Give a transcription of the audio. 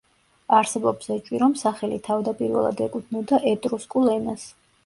არსებობს ეჭვი, რომ სახელი თავდაპირველად ეკუთვნოდა ეტრუსკულ ენას.